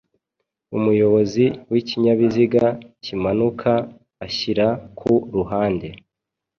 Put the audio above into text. Umuyobozi w’ikinyabiziga kimanuka ashyira ku ruhande